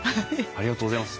ありがとうございます。